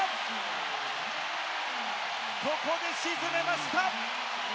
ここで沈めました！